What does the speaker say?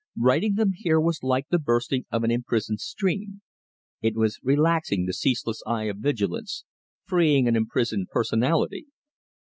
Writing them here was like the bursting of an imprisoned stream; it was relaxing the ceaseless eye of vigilance; freeing an imprisoned personality.